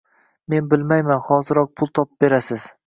Men bilmayman hoziroq pul topib berasiz